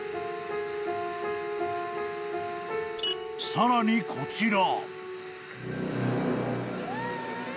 ［さらにこちら］